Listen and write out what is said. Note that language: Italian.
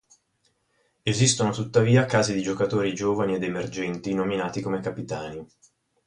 Esistono tuttavia casi di giocatori giovani ed emergenti nominati come capitani.